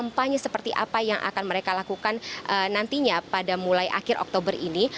kampanye seperti apa yang akan mereka lakukan nantinya pada mulai akhir oktober ini